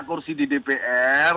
kursi di dpr